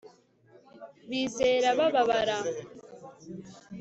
bizera bababara